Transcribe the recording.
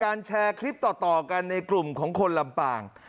แชร์คลิปต่อกันในกลุ่มของคนลำปาง